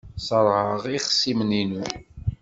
Ṣerɛeɣ ixṣimen-inu.